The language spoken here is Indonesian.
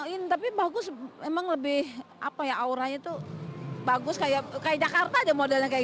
ini tapi bagus memang lebih apa ya auranya tuh bagus kayak jakarta aja modelnya kayak